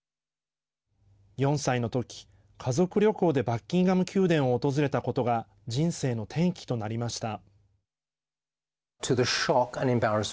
４歳の時家族旅行でバッキンガム宮殿を訪れたことが人生の転機となりました。